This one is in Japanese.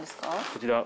こちら。